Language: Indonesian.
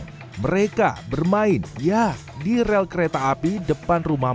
itu makin belum ada tempat untuk kayak siapa pun yang anda tetap di bawah otot